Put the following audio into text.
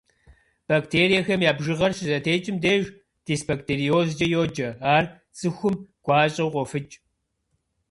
Бактериехэм я бжыгъэр щызэтекӏым деж дисбактериозкӏэ йоджэ, ар цӏыхум гуащӏэу къофыкӏ.